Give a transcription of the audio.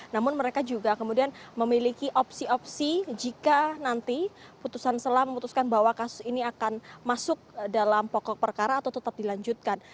namun mereka juga kemudian memiliki opsi opsi jika nanti putusan selah memutuskan bahwa kasus ini akan masuk dalam pokok perkara atau tetap dilanjutkan